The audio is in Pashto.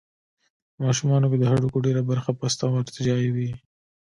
په ماشومانو کې د هډوکو ډېره برخه پسته او ارتجاعي وي.